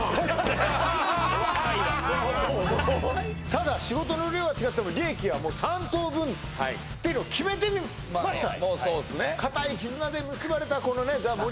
ただ仕事の量は違っても利益は３等分ってのを決めてました